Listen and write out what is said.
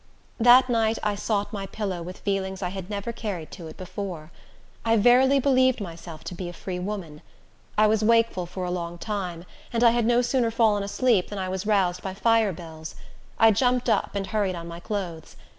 That night I sought my pillow with feelings I had never carried to it before. I verily believed myself to be a free woman. I was wakeful for a long time, and I had no sooner fallen asleep, than I was roused by fire bells. I jumped up, and hurried on my clothes.